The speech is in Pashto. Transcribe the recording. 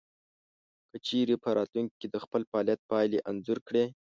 که چېرې په راتلونکې کې د خپل فعاليت پايلې انځور کړئ.